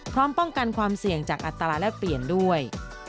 พร้อมป้องกันความเสี่ยงจากอัตราแลกเปลี่ยนด้วย